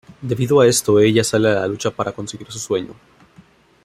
Debido a esto, ella sale a la luchar por conseguir su sueño.